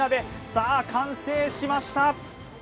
さあ完成しました！